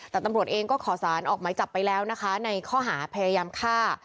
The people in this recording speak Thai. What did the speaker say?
แต่ตำรวจเองก็ขอสารออกหมายจับไปแล้วนะคะในข้อหาพยายามฆ่า